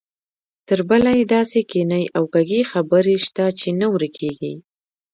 تربله یې داسې کینې او کږې خبرې شته چې نه ورکېږي.